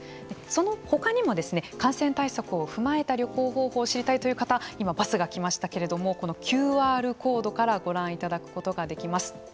そのほかにも感染対策を踏まえた旅行方法を知りたいという方今、バスが来ましたけれどもこのＱＲコードからご覧いただくことができます。